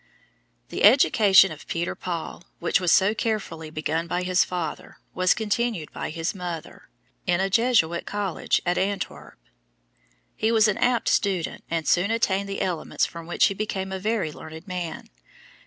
The education of Peter Paul, which was so carefully begun by his father, was continued by his mother, in a Jesuit College at Antwerp. He was an apt student and soon attained the elements from which he became a very learned man.